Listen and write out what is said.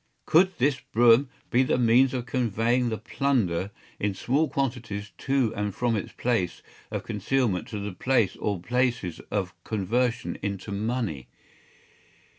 Could this brougham be the means of conveying the plunder in small quantities to and from its place of concealment to the place or places of conversion into money?